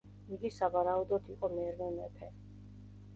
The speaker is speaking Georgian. იგი სავარაუდოდ იყო მერვე მეფე.